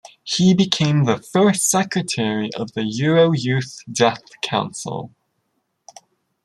He became the first Secretary of the Euro Youth Deaf Council.